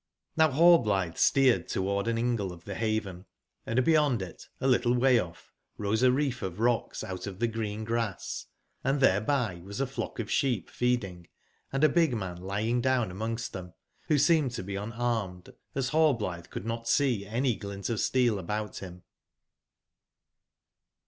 |OCCl Rallblithe steered toward an ingle of the haven ;& beyond it, a little way off, roseareef of rocksoutof the green y grass, & thereby was a flock of sheep reeding, and a big man lying down a mongst them, who seemed to be un armed, as Rallblithe could not sec any glint of steel about him.